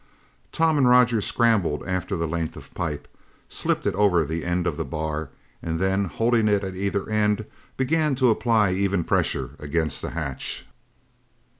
Tom and Roger scrambled after the length of pipe, slipped it over the end of the bar, and then, holding it at either end, began to apply even pressure against the hatch.